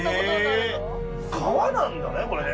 え川なんだねこれね。